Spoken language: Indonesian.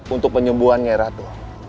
untuk penyembuhan ratu